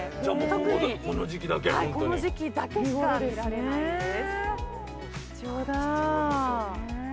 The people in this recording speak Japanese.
この時季だけしか見られないです。